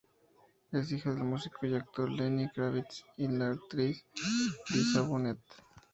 Es hija del músico y actor Lenny Kravitz y la actriz Lisa Bonet.